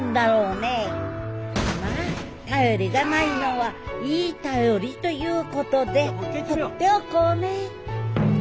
まあ「便りがないのはいい便り」ということでほっておこうねぇ。